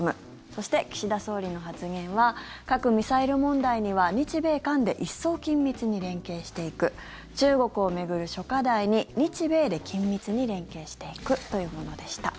そして、岸田総理の発言は核・ミサイル問題には日米韓で一層緊密に連携していく中国を巡る諸課題に日米で緊密に連携していくというものでした。